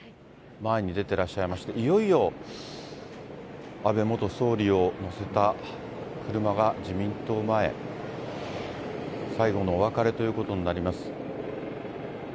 前に出てらっしゃいまして、いよいよ安倍元総理を乗せた車が、自民党前、最後のお別れということになります。